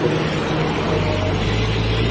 หรือว่เคยอภัยแก่เดือน